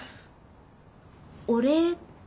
お礼？